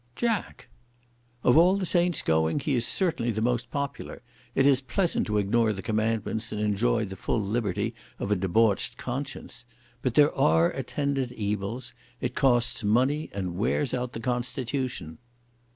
"Jack!" "Of all the saints going he is certainly the most popular. It is pleasant to ignore the Commandments and enjoy the full liberty of a debauched conscience. But there are attendant evils. It costs money and wears out the constitution."